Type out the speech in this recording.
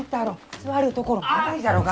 座るところもないじゃろうが！